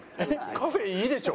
カフェいいでしょ。